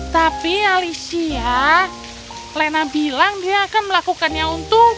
tapi alicia lena bilang dia akan melakukannya untuk